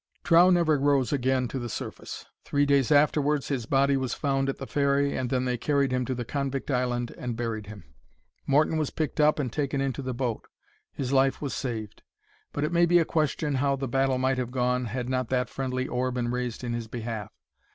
Trow never rose again to the surface. Three days afterwards his body was found at the ferry, and then they carried him to the convict island and buried him. Morton was picked up and taken into the boat. His life was saved; but it may be a question how the battle might have gone had not that friendly oar been raised in his behalf.